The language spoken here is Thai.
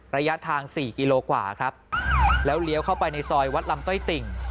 ระยะทางสี่กิโลกว่าครับแล้วเลี้ยวเข้าไปในซอยวัดลำต้อยติ่ง